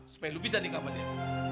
supaya lu bisa nikah sama dia